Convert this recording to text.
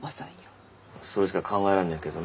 それしか考えらんねえけどな。